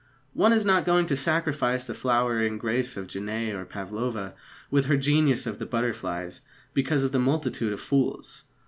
One is not going to sacrifice the flowery grace of Genée, or Pavlova with her genius of the butterflies, because of the multitude of fools.